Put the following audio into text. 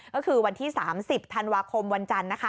ก็คือวันที่๓๐ธันวาคมวันจันทร์